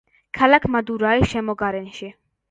ქალაქ მადურაის შემოგარენში.